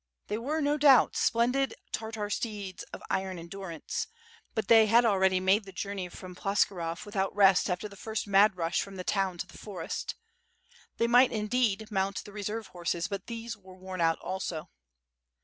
'' They were, no doubt splendid Tartar steeds of iron en durance, but they had already made the journey from Plos kirov without rest after the first mad rush from the town to the forest. They might indeed, mount the reserve horses, but these were worn out also.